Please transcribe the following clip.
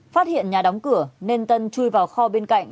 phát hiện nhà đóng cửa nên tân chui vào kho bên cạnh